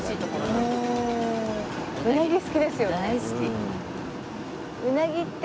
大好き。